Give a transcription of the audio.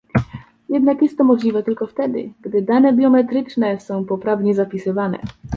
Jednak jest to możliwe tylko wtedy, gdy dane biometryczne są poprawnie zapisywane